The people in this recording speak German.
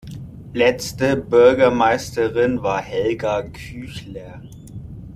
Letzte Bürgermeisterin war Helga Küchler.